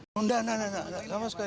tidak tidak tidak